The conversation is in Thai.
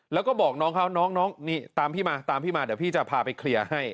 แล้วก็บอกน้องเขาน้องนี่ตามพี่มาตามพี่มาเดี๋ยวพี่จะพาไปเคลียร์ให้